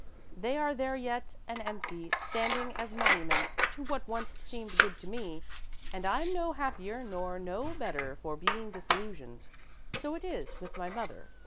They are there yet and empty standing as monuments to what once seemed good to me and I'm no happier nor no better for being disillusioned. So it is with my mother.